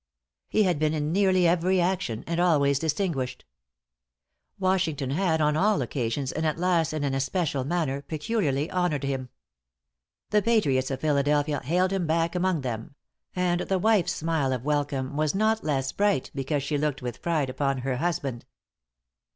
He had been in nearly every action, and always distinguished. Washington had, on all occasions, and at last in an especial manner, peculiarly honored him. The patriots of Philadelphia hailed him back among them; and the wife's smile of welcome was not less bright because she looked with pride upon her husband.